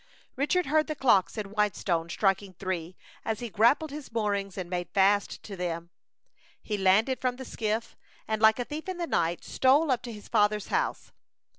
Richard heard the clocks in Whitestone striking three, as he grappled his moorings and made fast to them. He landed from the skiff, and, like a thief in the night, stole up to his father's house.